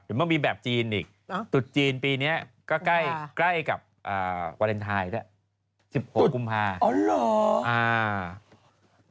มันมีแบบจีนอีกตุดจีนปีนี้ก็ใกล้กับวาเลนไทยด้วย๑๖กุมภา